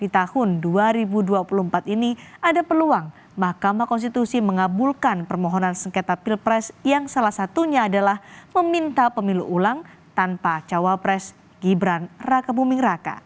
tidak perluang mk mengabulkan permohonan sengketa pilpres yang salah satunya adalah meminta pemilu ulang tanpa cawapres gibran raka buming raka